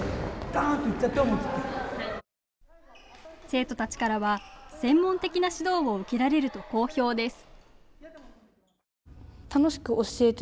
生徒たちからは専門的な指導を受けられると好評です。